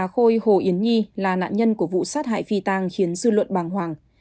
á khôi hồ yến nhi là nạn nhân của vụ sát hại phi tang khiến dư luận bàng hoàng